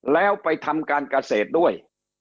แล้วไปทำการเกษตรด้วย